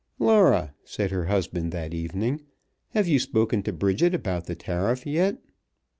"Laura," said her husband that evening, "have you spoken to Bridget about the tariff yet?"